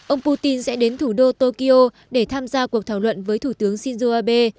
ông putin sẽ đến thủ đô tokyo để tham gia cuộc thảo luận với thủ tướng shinzo abe